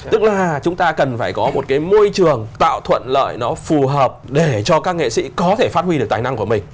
tức là chúng ta cần phải có một cái môi trường tạo thuận lợi nó phù hợp để cho các nghệ sĩ có thể phát huy được tài năng của mình